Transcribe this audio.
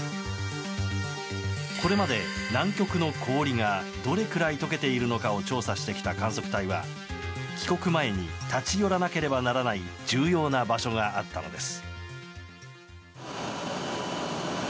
これまで南極の氷がどれくらい解けているのかを調査してきた観測隊は帰国前に立ち寄らなければならない重要な場所があったのです。